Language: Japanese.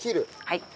はい。